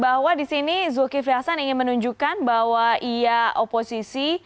bahwa di sini zulkifli hasan ingin menunjukkan bahwa ia oposisi